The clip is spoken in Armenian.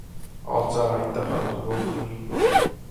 Ածա, այ տղա, տուր օխնի: